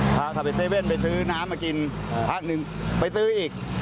พาเขาไปเซเว่นไปซื้อน้ำมากินพักหนึ่งไปซื้ออีก